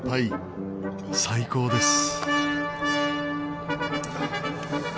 最高です。